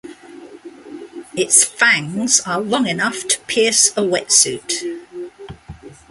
Its fangs are long enough to pierce a wetsuit.